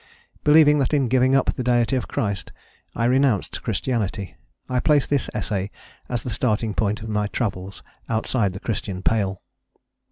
Believing that in giving up the deity of Christ I renounced Christianity, I place this essay as the starting point of my travels outside the Christian pale.